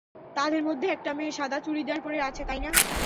তাদের মধ্যে একটা মেয়ে সাদা চুড়িদার পরে আছে, তাই না?